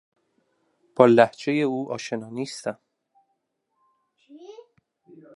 با لهجهی او آشنا نیستم.